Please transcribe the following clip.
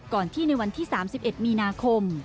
ก่อนที่ในวันที่๓๑มีนาคม